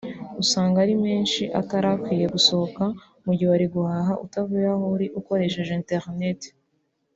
usanga ari menshi atari akwiye gusohoka mu gihe wari guhaha utavuye aho uri ukoresheje internet